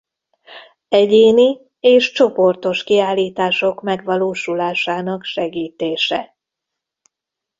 Egyéni és csoportos kiállítások megvalósulásának segítése.